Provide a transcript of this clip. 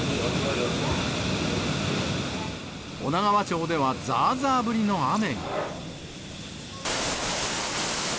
女川町ではざーざー降りの雨が。